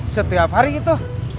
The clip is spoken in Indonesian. setiap hari gitu